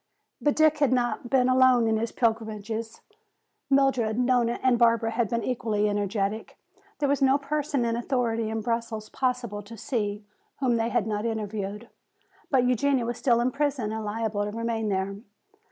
But Dick had not been alone in his pilgrimages. Mildred, Nona and Barbara had been equally energetic. There was no person in authority in Brussels possible to see whom they had not interviewed. But Eugenia was still in prison and liable to remain there.